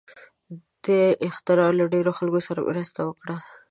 دې اختراع له ډېرو خلکو سره مرسته وکړه.